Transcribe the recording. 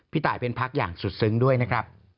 ตายเป็นพักอย่างสุดซึ้งด้วยนะครับ